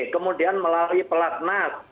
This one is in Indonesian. kemudian melalui pelatnat